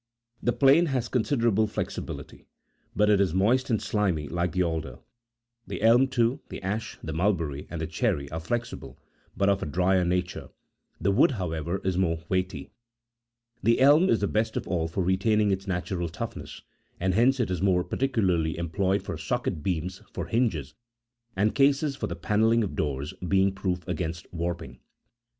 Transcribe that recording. The plane has considerable flexibility, but it is moist and slimy like the alder. _ The elm, too, the ash, the mulberry, and the cherry, are flexible, but of a drier nature ; the wood, however, is more weighty. The elm is the best of all for retaining its natural toughness, and hence it is more particularly employed for socket beams for hinges, and cases for the pannelling of doors, being proof against warping.